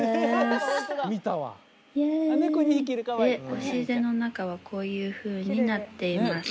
押し入れの中はこういうふうになっています。